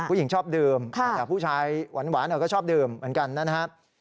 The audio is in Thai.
ผู้หญิงชอบดื่มแต่ผู้ชายหวานก็ชอบดื่มเหมือนกันนะครับ